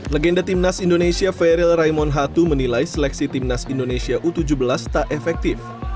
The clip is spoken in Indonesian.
legenda timnas indonesia veryl raimon hatu menilai seleksi timnas indonesia u tujuh belas tak efektif